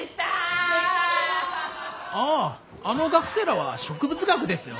あああの学生らは植物学ですよ。